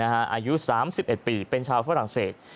อายุ๓๑ปีเป็นชาวฝรั่งเศส